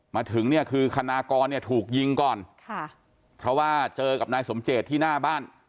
มาถึงคือขนาคอนถูกยิงก่อนเพราะว่าเจอกับนายสมเจษที่หน้าบ้าน